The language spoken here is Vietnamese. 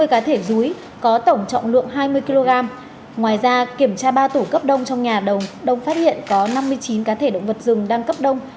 hai mươi cá thể rúi có tổng trọng lượng hai mươi kg ngoài ra kiểm tra ba tủ cấp đông trong nhà đồng phát hiện có năm mươi chín cá thể động vật rừng đang cấp đông